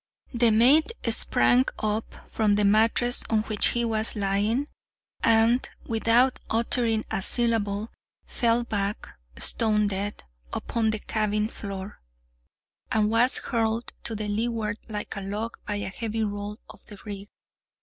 The mate sprang up from the mattress on which he was lying, and, without uttering a syllable, fell back, stone dead, upon the cabin floor, and was hurled to the leeward like a log by a heavy roll of the brig.